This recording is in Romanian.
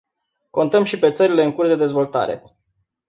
Contăm și pe țările în curs de dezvoltare.